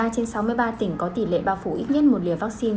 một mươi ba trên sáu mươi ba tỉnh có tỷ lệ bao phủ ít nhất một liều vaccine